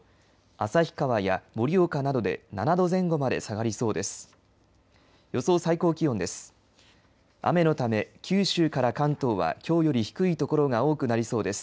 旭川や盛岡などで７度前後まで下がりそうです。